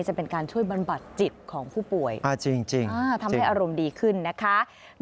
จะเป็นการช่วยบำบัดจิตของผู้ป่วยจริงทำให้อารมณ์ดีขึ้นนะคะ